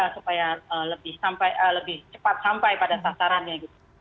supaya lebih cepat sampai pada sasarannya gitu